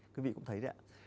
quý vị cũng thấy đấy ạ